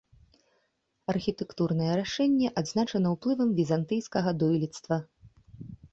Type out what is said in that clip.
Архітэктурнае рашэнне адзначана уплывам візантыйскага дойлідства.